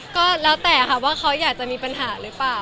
ก็แล้วแต่ค่ะว่าเขาอยากจะมีปัญหาหรือเปล่า